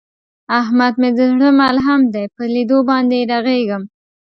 احمد مې د زړه ملحم دی، په لیدو باندې یې رغېږم.